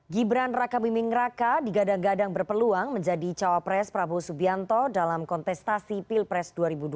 gibran raka buming raka digadang gadang berpeluang menjadi cawapres prabowo subianto dalam kontestasi pilpres dua ribu dua puluh